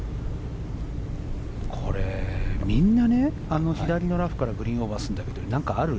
これ、みんな左のラフからグリーンオーバーするんだけどなんかある？